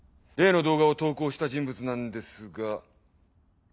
例の動画を投稿した人物なんですが。